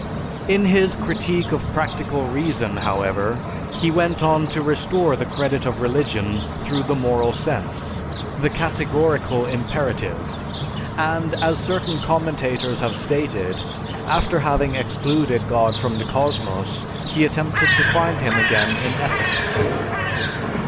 In his "Critique of Practical Reason," however, he went on to restore the credit of religion through the moral sense, the "Categorical Imperative," and, as certain commentators have stated, after having excluded God from the cosmos, he attempted to find Him again in ethics.